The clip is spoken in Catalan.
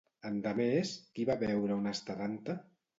Endemés, qui va veure una estadanta?